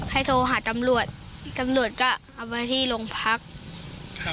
โทรหาตำรวจตำรวจก็เอามาที่โรงพักครับ